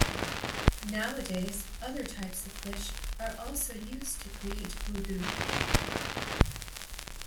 Nowadays, other types of fish are also used to create Budu.